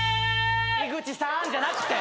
「井口さーん」じゃなくて！